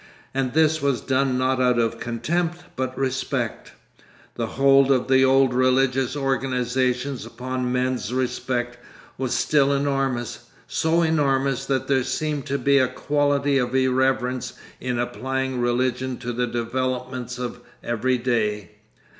And this was done not out of contempt but respect. The hold of the old religious organisations upon men's respect was still enormous, so enormous that there seemed to be a quality of irreverence in applying religion to the developments of every day.